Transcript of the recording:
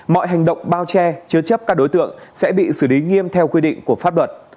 mọi hành động bao che chứa chấp các đối tượng sẽ bị xử lý nghiêm theo quy định của pháp luật